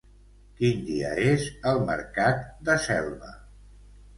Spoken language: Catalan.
Quin dia és el mercat de Selva?